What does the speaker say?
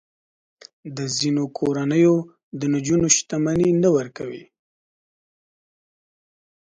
د ځینو کورنیو د نجونو شتمني نه ورکوي.